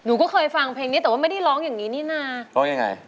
หนูก็เคยฟังเพลงนี้แต่ว่าไม่ได้ร้องอย่างนี้นี่น่า